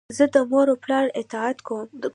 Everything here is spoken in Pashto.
زه د مور و پلار اطاعت کوم.